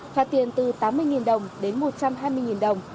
phạt tiền từ tám mươi đồng đến một trăm hai mươi đồng